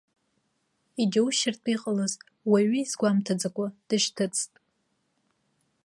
Иџьоушьартә иҟалаз, уаҩы изгәамҭаӡакәа дышьҭыҵт.